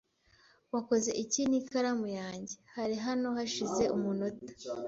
Wakoze iki n'ikaramu yanjye? Hari hano hashize umunota .